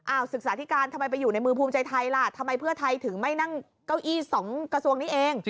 ศึกษาธิการทำไมไปอยู่ในมือภูมิใจไทยล่ะทำไมเพื่อไทยถึงไม่นั่งเก้าอี้๒กระทรวงนี้เอง